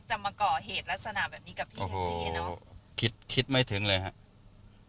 จะมาเกาะเหตุลักษณะแบบนี้กับพี่โอ้โหคิดไม่ถึงเลยครับ